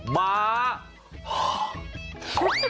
ม้าฮอร์